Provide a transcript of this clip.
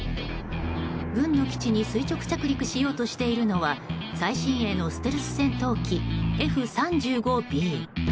軍の基地に垂直着陸しようとしているのは最新鋭のステルス戦闘機Ｆ３５Ｂ。